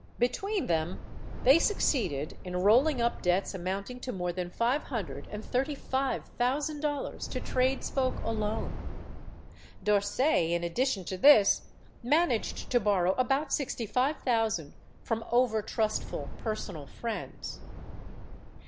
Between them, they succeeded in rolling up debts amounting to more than five hundred amd thirty five thousand dollars to tradesfolk alone. D'Orsay, in addition to this, managed to borrow about sixty five thousand from overtrustful personal friends.